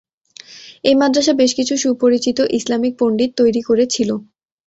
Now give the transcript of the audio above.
এই মাদ্রাসা বেশ কিছু সুপরিচিত ইসলামিক পণ্ডিত তৈরি করেছিল।